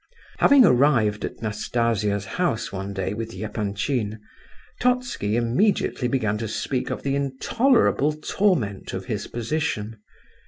Having arrived at Nastasia's house one day, with Epanchin, Totski immediately began to speak of the intolerable torment of his position.